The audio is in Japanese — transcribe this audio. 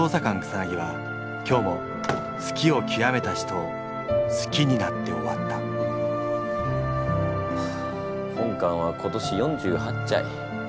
草は今日も好きをきわめた人を好きになって終わった本官は今年４８ちゃい。